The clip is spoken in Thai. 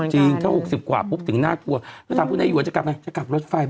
พี่น้องนางยายหวนไอ้ทู๊ชเท่าไหร่